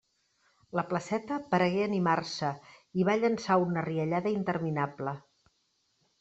La placeta paregué animar-se, i va llançar una riallada interminable.